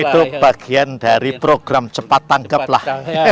itu bagian dari program cepat tanggap lah